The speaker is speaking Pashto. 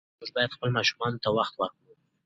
موږ باید خپلو ماشومانو ته وخت ورکړو.